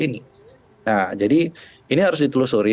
nah jadi ini harus ditelusuri